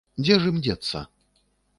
Дзе ж ім дзецца?